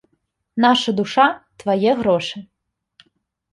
Наша душа, твае грошы!